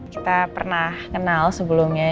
kita pernah kenal sebelumnya